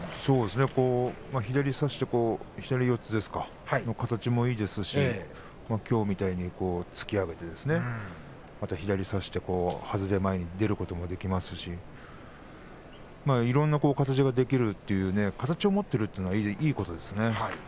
左を差して左四つですが形もいいですしきょうみたいに引き上げて左を差してはずで前に出ることもできますしいろんな形を持っているということはいいことです。